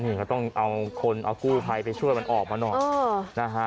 นี่ก็ต้องเอาคนเอากู้ภัยไปช่วยมันออกมาหน่อยนะฮะ